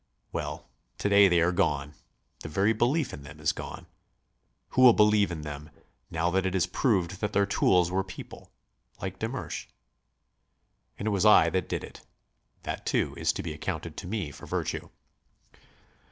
Well, to day they are gone; the very belief in them is gone. Who will believe in them, now that it is proved that their tools were people ... like de Mersch? And it was I that did it. That, too, is to be accounted to me for virtue."